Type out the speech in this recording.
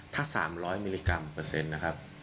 ถ้า๓๐๐มิลลิกรัมเปอร์เซ็นต์นะครับ